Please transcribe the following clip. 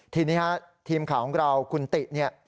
ทีนี้ครับทีมข่าวของเราคุณติ